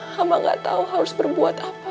hamba gak tau harus berbuat apa